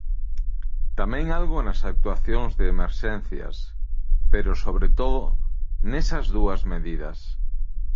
Tamén algo nas actuacións de emerxencias, pero sobre todo nesas dúas medidas.